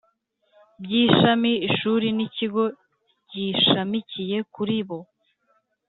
by ishami ishuri n ikigo gishamikiye kuri bo